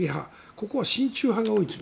ここは親中派が多いんです。